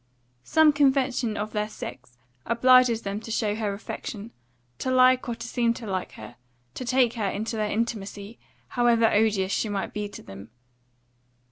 Some convention of their sex obliges them to show her affection, to like or to seem to like her, to take her to their intimacy, however odious she may be to them.